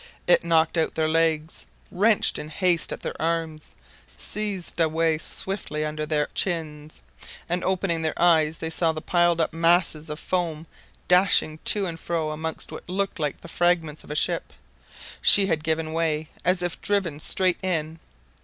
It knocked out their legs, wrenched in haste at their arms, seethed away swiftly under their chins; and opening their eyes, they saw the piled up masses of foam dashing to and fro amongst what looked like the fragments of a ship. She had given way as if driven straight in.